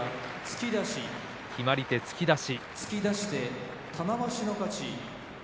決まり手、突き出し。